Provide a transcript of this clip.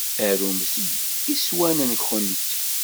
Arumt-d iswan-nwent.